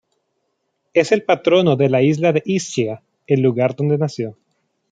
Es el patrono de la isla de Ischia, el lugar donde nació.